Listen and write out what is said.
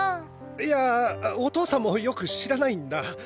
いやお父さんもよく知らないんだ。